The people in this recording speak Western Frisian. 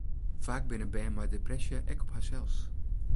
Faak binne bern mei depresje ek op harsels.